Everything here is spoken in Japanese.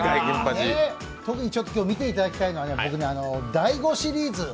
特に今日見ていただきたいのは第５シリーズ。